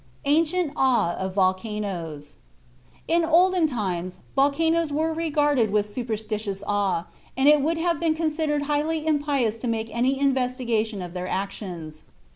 ANCIENT AWE OF VOLCANOES In olden times volcanoes were regarded with superstitious awe, and it would have been considered highly impious to make any investigation of their actions.